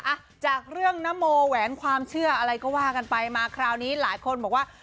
อ่ะจากเรื่องนโมแหวนความเชื่ออะไรก็ว่ากันไปมาคราวนี้หลายคนบอกว่า